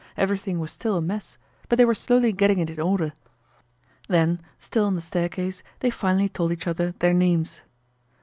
everything was still a mess, but they were slowly getting it in order. Then, still on the staircase, they finally told each other their names.